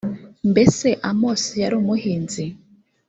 mbese amosi yari umuhinzi